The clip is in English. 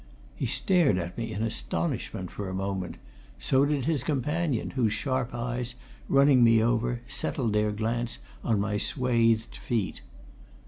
He stared at me in astonishment for a moment; so did his companion, whose sharp eyes, running me over, settled their glance on my swathed feet.